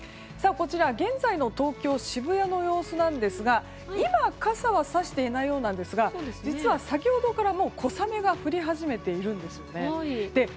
こちら現在の東京・渋谷の様子なんですが今は傘はさしていないようなんですが実は先ほどからもう小雨が降り始めているんですよね。